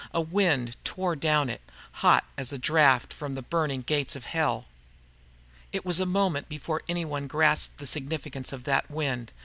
A wind tore down it, hot as a draught from the burning gates of Hell. It was a moment before anyone grasped the significance of that wind.